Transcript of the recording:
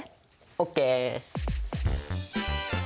オッケー！